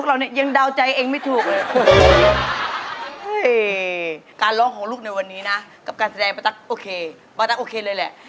การร้องของลูกในวันนี้นะกับการแสดงป้าตั๊กโอเคป้าตั๊กโอเคเลยแหละ